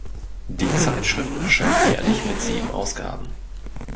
Die Zeitschrift erscheint jährlich mit sieben Ausgaben.